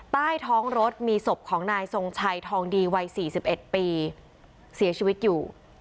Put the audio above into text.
ใต้ท้องรถมีศพของนายทรงชัยทองดีวัย๔๑ปีเสียชีวิตอยู่